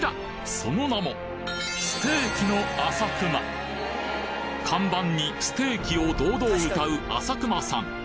その名も看板にステーキを堂々謳うあさくまさん